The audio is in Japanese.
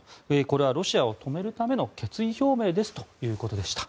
これはロシアを止めるための決意表明ですということでした。